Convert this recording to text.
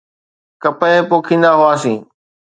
ڪپهه پوکيندا هئاسين.